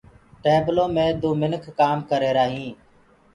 ٽيبلو مي دو منک ڪآم ڪرريهرآ هين